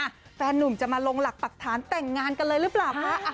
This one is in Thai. แฟนนุ่มจะมาลงหลักปรักฐานแต่งงานกันเลยหรือเปล่าคะ